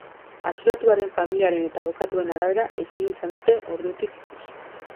Atxilotuaren familiaren eta abokatuen arabera, ezin izan dute ordutik ikusi.